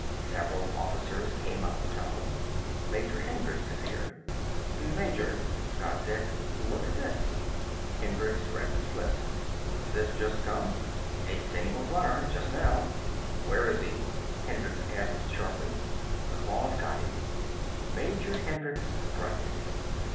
Several officers came up the tunnel. Major Hendricks appeared. "Major," Scott said. "Look at this." Hendricks read the slip. "This just come?" "A single runner. Just now." "Where is he?" Hendricks asked sharply. "The claws got him." Major Hendricks grunted.